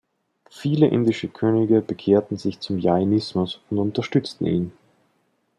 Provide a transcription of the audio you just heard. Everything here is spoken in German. Viele indische Könige bekehrten sich zum Jainismus und unterstützten ihn.